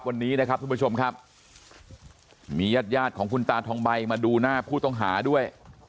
วันนี้นะครับทุกผู้ชมครับมีญาติญาติของคุณตาทองใบมาดูหน้าผู้ต้องหาด้วย